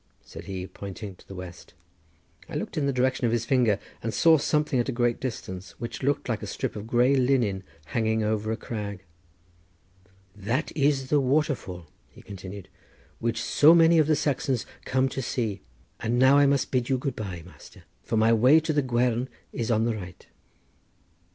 said he, pointing to the west. I looked in the direction of his finger, and saw something at a great distance, which looked like a strip of grey linen, hanging over a crag. "That is the waterfall," he continued, "which so many of the Saxons come to see. And now I must bid you good bye, master; for my way to the Gwern is on the right."